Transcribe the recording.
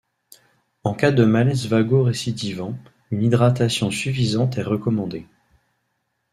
En cas de malaises vagaux récidivants, une hydratation suffisante est recommandée.